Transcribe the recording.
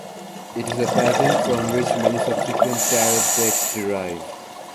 It is a pattern from which many subsequent tarot decks derive.